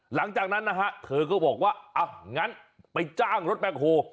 หลังจากนั้นนะฮะเธอก็บอกว่าอ่ะงั้นไปจ้างรถแบ็คโฮ